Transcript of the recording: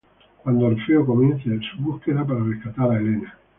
Cuando Orfeo comience su búsqueda para rescatar a Helena.